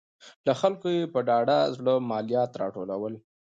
له خلکو یې په ډاډه زړه مالیات راټولول.